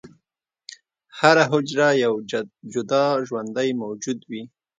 هره حجره یو جدا ژوندی موجود وي.